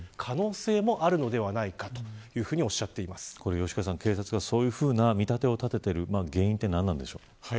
吉川さん警察がそういう見立てを立てた原因は何でしょうか。